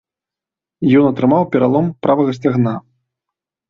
Ён атрымаў пералом правага сцягна.